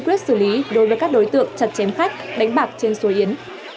chặt chém khách đánh bạc trên suối yến